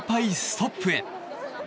ストップへ。